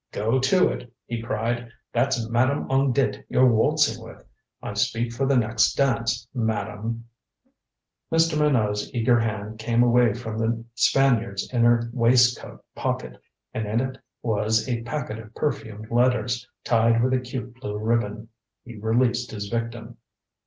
"Go to it!" he cried. "That's Madame On Dit you're waltzing with. I speak for the next dance, Madame." Mr. Minot's eager hand came away from the Spaniard's inner waistcoat pocket, and in it was a packet of perfumed letters, tied with a cute blue ribbon. He released his victim.